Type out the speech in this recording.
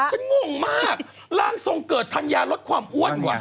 ฉันง่วงมากล่างทรงเกิดทันยารสความอ้วนว่ะ